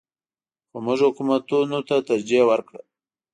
خو موږ حکومتونو ته ترجیح ورکړه.